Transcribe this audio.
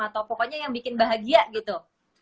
atau pokoknya yang bikin bahagia gitu